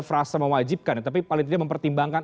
frase mewajibkan tapi paling penting mempertimbangkan